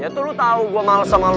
ya tuh lo tau gue males sama lo